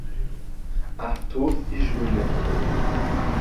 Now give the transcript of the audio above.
Arthur e Julia